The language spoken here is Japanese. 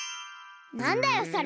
なんだよそれ！